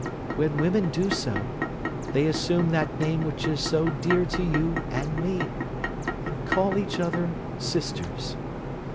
When women do so, they assume that name which is so dear to you and me, and call each other Sisters.